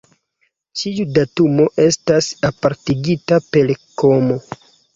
Ĉiu datumo estas apartigita per komo.